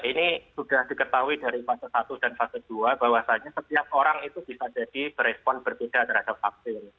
ini sudah diketahui dari fase satu dan fase dua bahwasannya setiap orang itu bisa jadi berespon berbeda terhadap vaksin